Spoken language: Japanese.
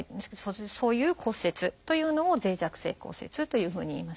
そういう骨折というのを脆弱性骨折というふうにいいます。